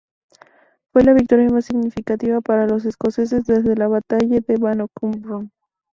Fue la victoria más significativa para los escoceses desde la batalla de Bannockburn.